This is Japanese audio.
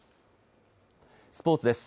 スポーツです。